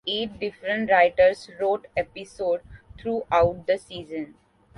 Eight different writers wrote episodes throughout the season.